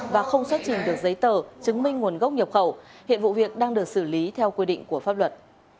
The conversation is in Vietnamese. và không xuất trình được giấy tờ chứng minh nguồn gốc nhập khẩu hiện vụ việc đang được xử lý theo quy định của pháp luật